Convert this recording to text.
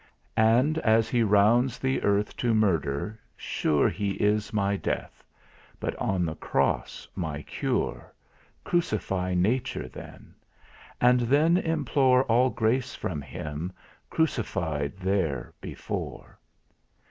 And, as he rounds the earth to murder, sure He is my death; but on the Cross, my cure, Crucify nature then; and then implore All grace from Him, crucified there before.